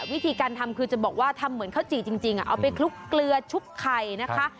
วิธีการทำคือจะบอกว่าทำเหมือนข้าวจี่จริงเอาไปคลุกเกลือชุบไข่นะคะ